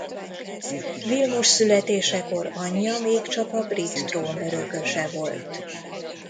Vilmos születésekor anyja még csak a brit trón örököse volt.